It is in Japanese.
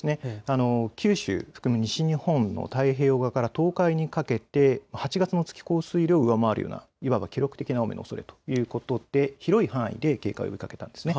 九州含む西日本の太平洋側から東海にかけて８月の月降水量を上回るようないわば記録的な大雨のおそれということで広い範囲で警戒を呼びかけたんです。